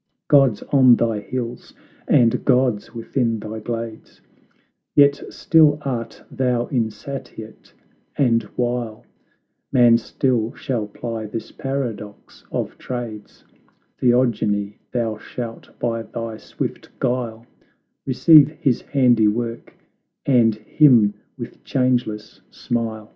Gods on thy hills, and gods within thy glades, , Yet still art thou insatiate, and while, Man still shall ply this paradox of trades, Theogony, thou shalt by thy swift guile Receive his handiwork, and him with changeless smile!